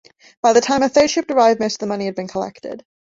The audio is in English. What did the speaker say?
By the time a third ship arrived most of the money had been collected.